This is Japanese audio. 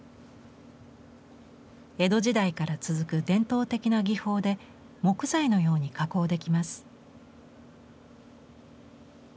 江戸時代から続く伝統的な技法で木材のように加工できます。